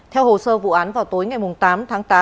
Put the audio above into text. theo hồ sơ vụ án vào tối ngày tám tháng tám